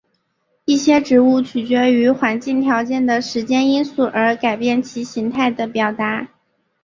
一些植物取决于环境条件的时间因素而改变其形态的表达。